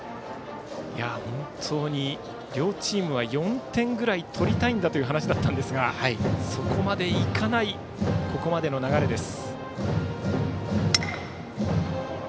両チームは４点ぐらい取りたいという話だったんですがそこまでいかないここまでの流れです。